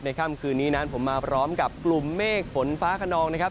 ค่ำคืนนี้นั้นผมมาพร้อมกับกลุ่มเมฆฝนฟ้าขนองนะครับ